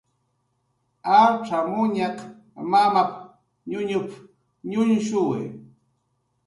"Acxamuñaq mamap"" ñuñup"" ñuñshuwi "